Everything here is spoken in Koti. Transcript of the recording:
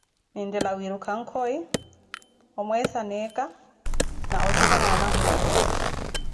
Nineetthela wiiruka nkoy, omweesa neeka na oshezana anahumpwe.